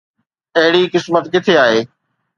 اهڙي قسمت ڪٿي آهي؟